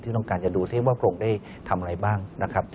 ซึ่งต้องการจะดูซิว่าโครงได้ทำอะไรบ้างนะครับ